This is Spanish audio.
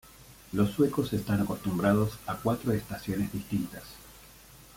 Los suecos están acostumbrados a cuatro estaciones distintas.